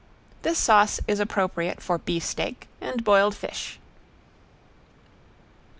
This sauce is appropriate for beefsteak and boiled fish.